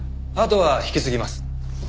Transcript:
あとは引き継ぎます。